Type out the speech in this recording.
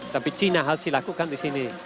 tapi cina harus dilakukan di sini